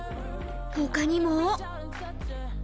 他にも。